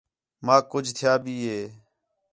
ماک کُج تِھیا بھی ہِے